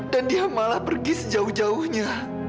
dan dia malah pergi sejauh jauhnya